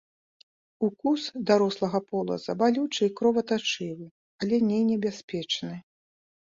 Укус дарослага полаза балючы і кроватачывы, але не небяспечны.